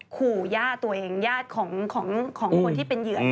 ขู่ย่าตัวเองญาติของคนที่เป็นเหยื่อ